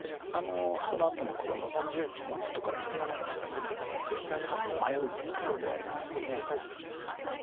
そのあとの黒の外からケイマとかも非常にいいとこなんで迷うとこではありますよね。